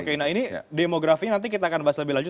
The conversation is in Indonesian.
oke nah ini demografi nanti kita akan bahas lebih lanjut